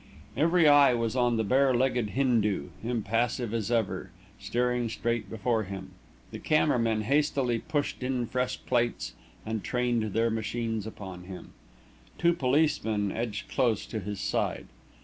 Every eye was on the bare legged Hindu, impassive as ever, staring straight before him. The camera men hastily pushed in fresh plates and trained their machines upon him. Two policemen edged close to his side.